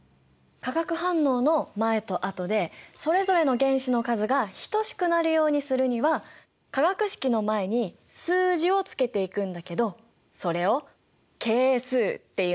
化学反応の前と後でそれぞれの原子の数が等しくなるようにするには化学式の前に数字をつけていくんだけどそれを係数っていうんだ。